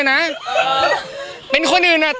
สเปค